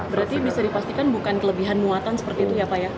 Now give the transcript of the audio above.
berarti bisa dipastikan bukan kelebihan muatan seperti itu ya pak ya